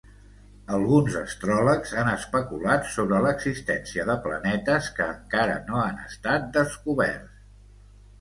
Alguns astròlegs han especulat sobre l'existència de planetes que encara no han estat descoberts.